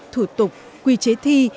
thủ tục quy chế thi